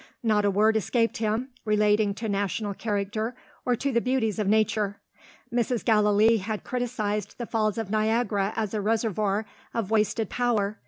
Not a word escaped him, relating to national character or to the beauties of Nature. Mrs. Gallilee had criticized the Falls of Niagara as a reservoir of wasted power.